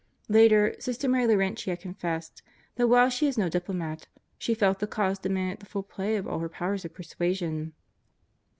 Later, Sister Mary Laurentia confessed that while she is no diplomat, she felt the cause demanded the full play of all her powers of persuasion.